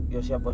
ya siap bos